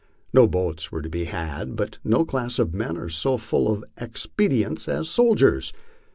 No boats were to be had, but no class of men are so full of expedients as soldiers.